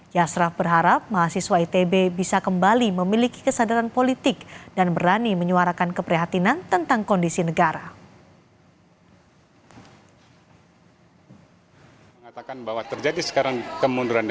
yasraf berharap mahasiswa itb bisa kembali memiliki kesadaran politik dan berani menyuarakan keprihatinan tentang kondisi negara